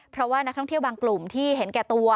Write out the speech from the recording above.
เพราะว่านักท่องเที่ยวบางกลุ่มที่เห็นแก่ตัว